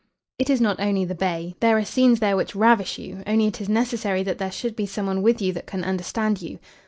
"It is not only the bay. There are scenes there which ravish you, only it is necessary that there should be some one with you that can understand you.